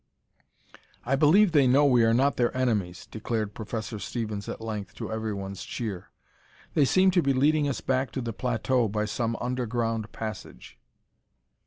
"I believe they know we are not their enemies!" declared Professor Stevens, at length, to everyone's cheer. "They seem to be leading us back to the plateau by some underground passage."